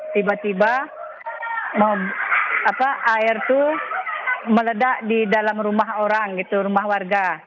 tiba tiba air itu meledak di dalam rumah orang gitu rumah warga